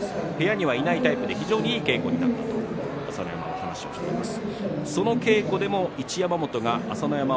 部屋にはいないタイプで非常にいい稽古ができたと朝乃山は話をしていました。